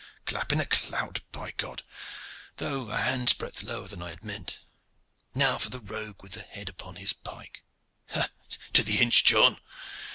Clap in the clout, by God! though a hand's breadth lower than I had meant. Now for the rogue with the head upon his pike. Ha! to the inch, John.